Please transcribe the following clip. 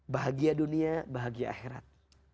bahagia dunia bahagia akhirat